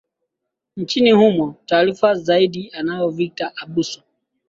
nchini humo taarifa zaidi anayo victor abuso